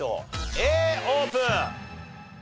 Ａオープン！